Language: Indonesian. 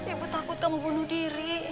ibu takut kamu bunuh diri